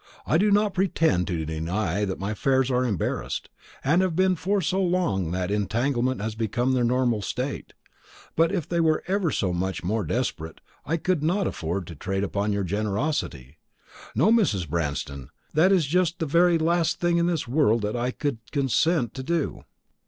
I do not pretend to deny that my affairs are embarrassed, and have been for so long that entanglement has become their normal state; but if they were ever so much more desperate, I could not afford to trade upon your generosity. No, Mrs. Branston, that is just the very last thing in this world that I could consent to do."